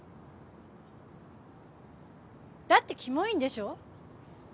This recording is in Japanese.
だってキモいんでしょ？